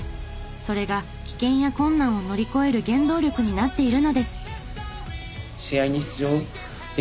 それが危険や困難を乗り越える原動力になっているのです。